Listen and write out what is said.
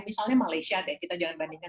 misalnya malaysia deh kita jangan bandingkan